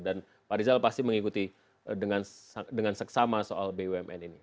dan pak rizal pasti mengikuti dengan seksama soal bumn ini